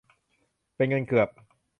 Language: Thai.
เป็นเงินเกือบ